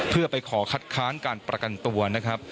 เพื่อไปขอคัดค้านการประกันตัวนะครับ